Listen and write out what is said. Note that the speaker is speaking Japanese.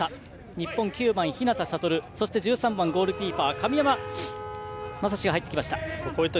日本は９番、日向賢そして１３番、ゴールキーパーの神山昌士が入りました。